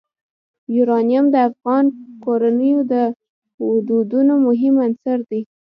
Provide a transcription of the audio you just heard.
یورانیم د افغان کورنیو د دودونو مهم عنصر دی.